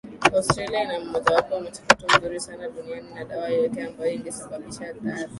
Australia ina mmojawapo wa mchakato mzuri sana duniani na dawa yoyote ambayo ingesababisha athari